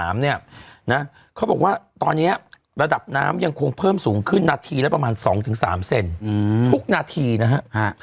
เขาบอกว่าตอนนี้ระดับน้ำยังคงเพิ่มสูงขึ้นนาทีละประมาณ๒๓เซนทุกนาทีนะฮะ